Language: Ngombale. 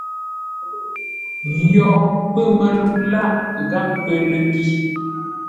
Yo pə̂ məlu lâʼ gháp pə ləpi.